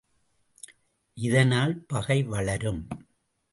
இதனால் பகை வளரும்.